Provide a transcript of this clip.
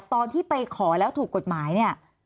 ตอนที่ไปขอแล้วถูกกฎหมายเนี่ย